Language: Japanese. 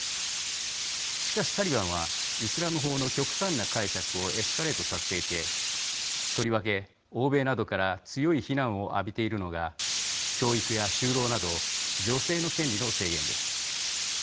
しかし、タリバンはイスラム法の極端な解釈をエスカレートさせていてとりわけ、欧米などから強い非難を浴びているのが教育や就労など女性の権利の制限です。